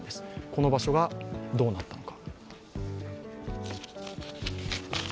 この場所がどうなったのか。